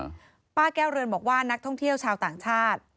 ป้าแก้วเรือนบอกว่านักท่องเที่ยวชาวต่างชาติ